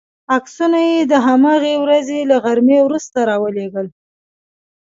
عکسونه یې د هماغې ورځې له غرمې وروسته را ولېږل.